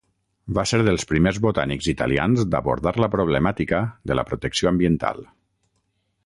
Va ser dels primers botànics italians d'abordar la problemàtica de la protecció ambiental.